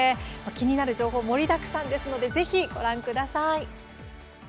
気になる情報盛りだくさんですのでぜひご覧ください。